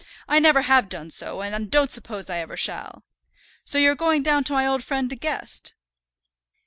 I never have done so, and don't suppose I ever shall. So you're going down to my old friend De Guest?"